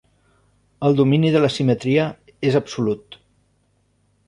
El domini de la simetria és absolut.